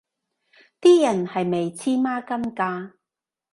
啲人係咪黐孖筋㗎